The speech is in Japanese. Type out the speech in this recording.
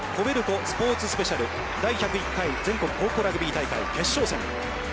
ＫＯＢＥＬＣＯスポーツスペシャル第１０１回全国高校ラグビー大会決勝戦。